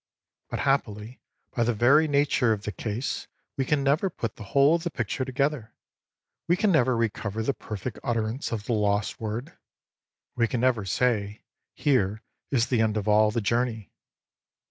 But, happily, by the very nature of the case, we can never put the whole of the picture together, we can never recover the perfect utterance of the Lost Word, we can never say "here is the end of all the journey."